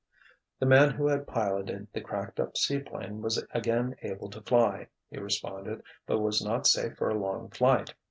The man who had piloted the cracked up seaplane was again able to fly, he responded, but was not safe for a long flight.